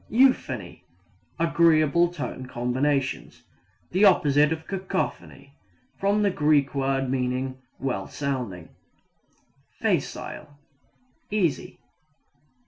Euphony agreeable tone combinations; the opposite of cacophony. (From the Greek word meaning well sounding.) Facile easy.